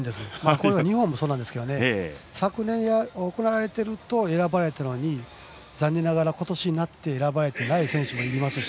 日本もそうなんですけど昨年、行われていると選ばれたのに残念ながら今年になって選ばれていない選手もいますし。